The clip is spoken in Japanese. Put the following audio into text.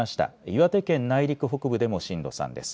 岩手県内陸北部でも震度３です。